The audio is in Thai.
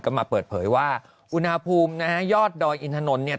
ก็มาเปิดเผยว่าอุณหภูมินะฮะยอดดอยอินถนนเนี่ย